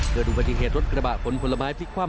เผื่อดูปฏิเกตรรถกระบะผลผลไม้พลิกคว่ำ